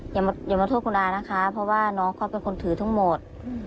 อย่ามาโทษคุณอานะคะเพราะว่าน้องเขาเป็นคนถือทั้งหมด